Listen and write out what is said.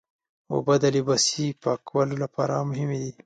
اوبه د لباسي پاکولو لپاره مهمې دي.